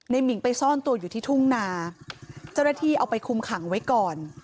หมิงไปซ่อนตัวอยู่ที่ทุ่งนาเจ้าหน้าที่เอาไปคุมขังไว้ก่อน